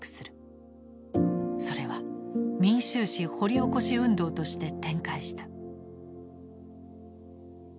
それは「民衆史掘り起こし運動」として展開した。